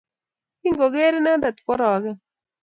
Kingoger inendet koarogen.